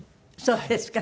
そうですか。